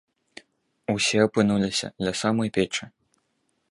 Усе апынуліся ля самай печы.